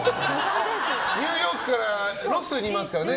ニューヨークからロスにいますからね。